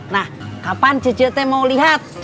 nah kapan cct mau lihat